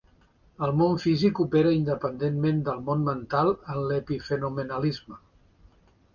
El món físic opera independentment del món mental en l'epifenomenalisme.